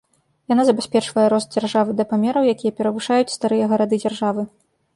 Яна забяспечвае рост дзяржавы да памераў, якія перавышаюць старыя гарады-дзяржавы.